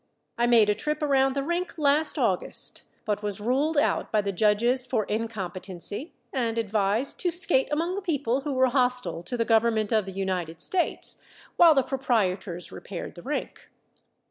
I made a trip around the rink last August, but was ruled out by the judges for incompetency, and advised to skate among the people who were hostile to the government of the United States, while the proprietors repaired the rink.